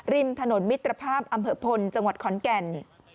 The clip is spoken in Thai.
ริมถนนมิตรภาพอำเภอพลจังหวัดขอนแก่น